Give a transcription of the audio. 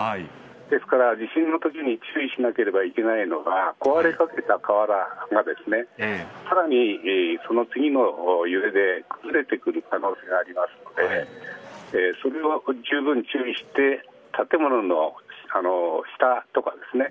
ですから地震のときに注意しなければいけないのが壊れかけた瓦がですねさらに、その次の揺れで崩れてくる可能性がありますのでそれもじゅうぶん注意して建物の下とかですね。